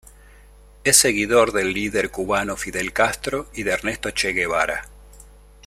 Es seguidor del líder cubano Fidel Castro y de Ernesto Che Guevara.